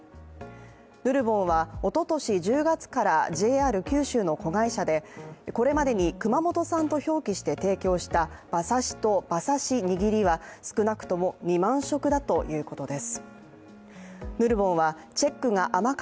ヌルボンはおととし１０月からＪＲ九州の子会社で、これまでに熊本産と表記して提供した馬刺しと馬刺し握りは少なくとも２万食だということです。